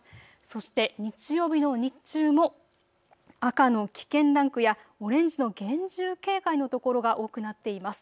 そして日曜日の日中も赤の危険ランクやオレンジの厳重警戒の所が多くなっています。